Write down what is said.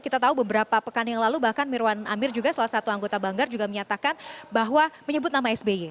kita tahu beberapa pekan yang lalu bahkan mirwan amir juga salah satu anggota banggar juga menyatakan bahwa menyebut nama sby